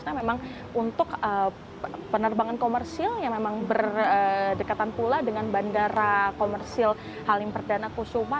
nah memang untuk penerbangan komersil yang memang berdekatan pula dengan bandara komersil halim perdana kusuma